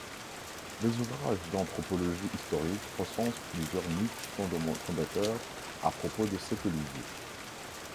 Les ouvrages d'anthropologie historique recensent plusieurs mythes fondateurs à propos de cet olivier.